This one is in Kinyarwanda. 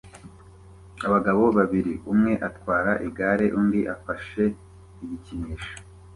Abagabo babiri umwe atwara igare undi afashe igikinisho